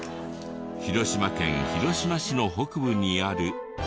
広島県広島市の北部にある。